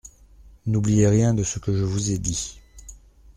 N'oubliez rien de ce que je vous ai dit.